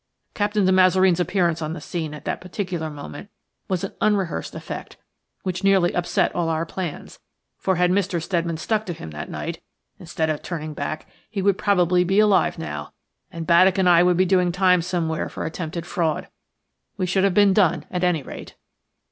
Captain de Mazareen's appearance on the scene at that particular moment was an unrehearsed effect which nearly upset all our plans, for had Mr. Steadman stuck to him that night, instead of turning back, he would probably be alive now, and Baddock and I would be doing time somewhere for attempted fraud. We should have been done, at any rate.